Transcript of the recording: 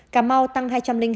cà mau tăng hai trăm linh năm